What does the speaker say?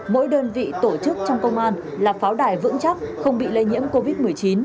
mỗi đơn vị tổ chức trong công an là pháo đài vững chắc không bị lây nhiễm covid một mươi chín